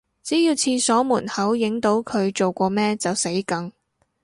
只要廁所門口影到佢做過咩就死梗